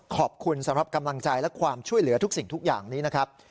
ขอบคุณสำหรับกำลังใจและความช่วยเหลือทุกสิ่งทุกอย่างนี้นะครับ